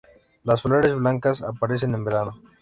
Las flores, blancas, aparecen en verano.